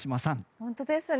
本当ですね。